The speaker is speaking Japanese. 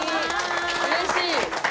うれしい！